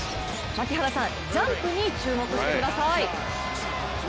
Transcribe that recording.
槙原さん、ジャンプに注目してください。